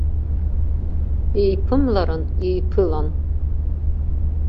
Еиԥымларан иеиԥылан.